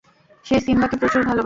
সে সিম্বাকে প্রচুর ভালোবাসে।